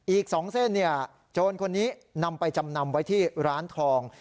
อีก๒เส้นโจรคนนี้นำไปจำนำไว้ที่ร้านทอง